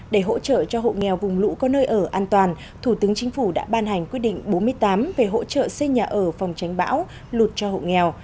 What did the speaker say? để hỗ trợ cho hộ nghèo vùng lũ có nơi ở an toàn thủ tướng chính phủ đã ban hành quyết định bốn mươi tám về hỗ trợ xây nhà ở phòng tránh bão lụt cho hộ nghèo